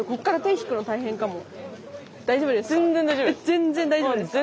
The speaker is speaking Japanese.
全然大丈夫ですか？